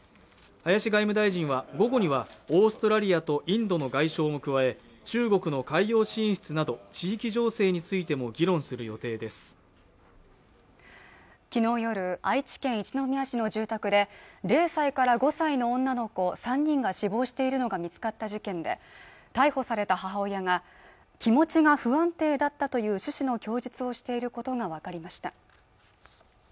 林外務大臣は午後にはオーストラリアとインドの外相も加え中国の海洋進出など地域情勢についても議論する予定ですきのう夜愛知県一宮市の住宅で０歳から５歳の女の子３人が死亡しているのが見つかった事件で逮捕された母親が気持ちが不安定だったという趣旨の供述をしていることが分かりました